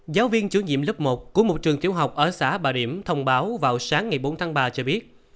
giáo viên chủ nhiệm lớp một của một trường tiểu học ở xã bà điểm thông báo vào sáng ngày bốn tháng ba cho biết